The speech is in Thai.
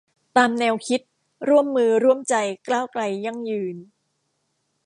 ตามแนวคิด ร่วมมือ ร่วมใจ ก้าวไกล ยั่งยืน